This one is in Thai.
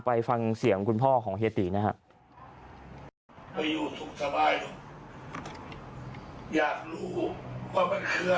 ไปฟังเสียงคุณพ่อของเฮียตีนะครับ